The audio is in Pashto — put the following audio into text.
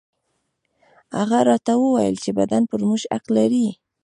هغه راته وويل چې بدن پر موږ حق لري.